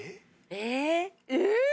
えっ？えっ？